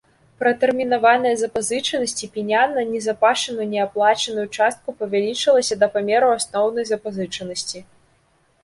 Пратэрмінаваная запазычанасць і пеня на назапашаную неаплачаную частку павялічылася да памеру асноўнай запазычанасці.